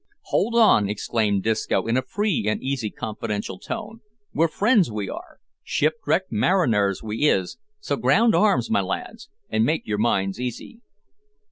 "Hold on," exclaimed Disco, in a free and easy confidential tone; "we're friends, we are; shipwrecked mariners we is, so ground arms, my lads, an' make your minds easy."